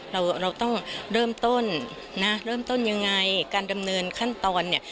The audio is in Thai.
เราเราต้องเริ่มต้นนะเริ่มต้นยังไงการดำเนินขั้นตอนเนี่ย